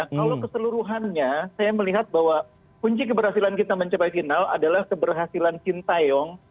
kalau keseluruhannya saya melihat bahwa kunci keberhasilan kita mencapai final adalah keberhasilan sintayong